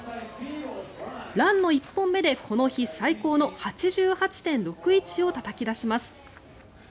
ランの１本目で、この日最高の８８．６１をたたき出します。